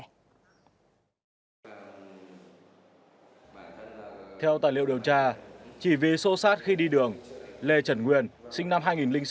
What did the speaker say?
theo tài liệu điều tra chỉ vì xô xát khi đi đường lê trần nguyên sinh năm hai nghìn sáu